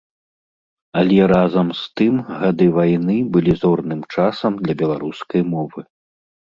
Але разам з тым гады вайны былі зорным часам для беларускай мовы.